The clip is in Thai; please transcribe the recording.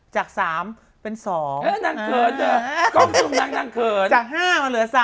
จาก๕มันเหลือ๓